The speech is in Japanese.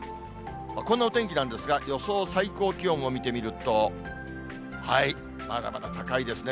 こんなお天気なんですが、予想最高気温を見てみると、まだまだ高いですね。